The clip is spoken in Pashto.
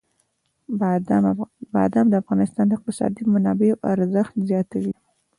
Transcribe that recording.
بادام د افغانستان د اقتصادي منابعو ارزښت زیاتوي.